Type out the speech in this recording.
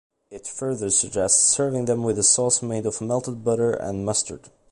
It further suggests serving them with a sauce made of melted butter and mustard.